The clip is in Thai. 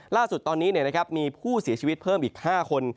ล่าสุดตอนนี้มีผู้เสียชีวิตเพิ่มอีก๕คน